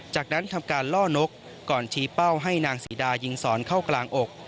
จากนั้นทำการล่อนกก่อนชี้เป้าให้นางศรีดายิงสอนเข้ากลางอก